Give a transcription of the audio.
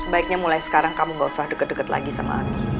sebaiknya mulai sekarang kamu gak usah deket deket lagi sama aki